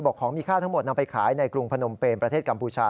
ของมีค่าทั้งหมดนำไปขายในกรุงพนมเป็นประเทศกัมพูชา